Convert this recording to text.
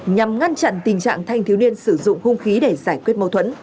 nhằm ngăn chặn tình trạng thanh thiếu niên sử dụng hung khí để giải quyết mâu thuẫn